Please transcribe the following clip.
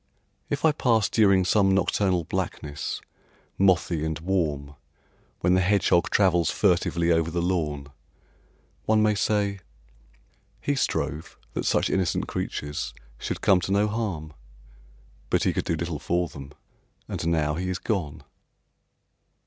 If I pass during some nocturnal blackness, mothy and warm, When the hedgehog travels furtively over the lawn, One may say, "He strove that such innocent creatures should come to no harm, But he could do little for them; and now he is gone"?